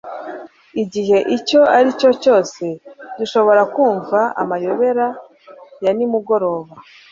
Igihe icyo ari cyo cyose dushobora kumva amayobera ya nimugoroba